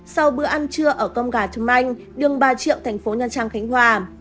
sau bữa ăn trưa ở cơm gà trầm anh đường ba triệu thành phố nha trang khánh hòa